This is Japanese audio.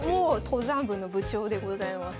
登山部の部長でございます。